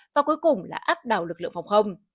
và cuối cùng là áp đảo lực lượng phòng không